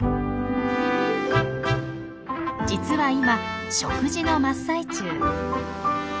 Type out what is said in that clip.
実は今食事の真っ最中。